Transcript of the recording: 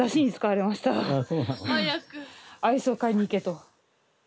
アイスを買いに行けと。